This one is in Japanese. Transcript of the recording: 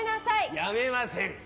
やめません。